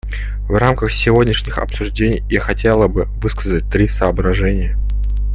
В рамках сегодняшних обсуждений я хотела бы высказать три соображения.